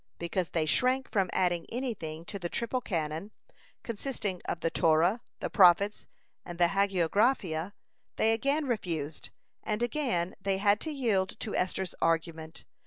Because they shrank from adding anything to the triple Canon, consisting of the Torah, the Prophets, and the Hagiographa, they again refused, and again they had to yield to Esther's argument.